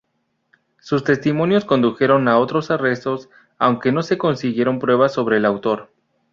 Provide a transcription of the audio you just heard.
Sus testimonios condujeron a otros arrestos aunque no se consiguieron pruebas sobre el autor.